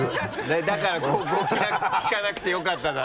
だから高校聞かなくてよかっただろ？